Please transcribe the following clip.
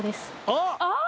ああ！